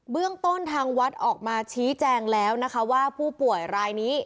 เรื่องต้นทางวัดออกมาชี้แจงแล้วนะคะว่าผู้ป่วยรายนี้